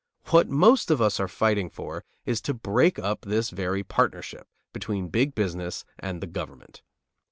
What most of us are fighting for is to break up this very partnership between big business and the government.